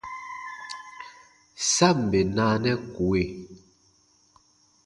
Sa ǹ bè naanɛ kue.